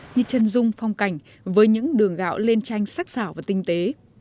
như chân dung phong cảnh với những đường gạo lên tranh sắc xảo và tinh tế